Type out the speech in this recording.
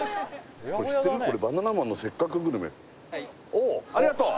おおありがとう